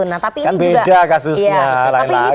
kan beda kasusnya lain lain